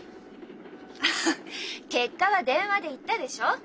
ハハッ結果は電話で言ったでしょ。